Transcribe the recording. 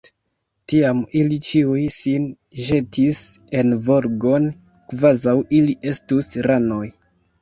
Tiam ili ĉiuj sin ĵetis en Volgon, kvazaŭ ili estus ranoj.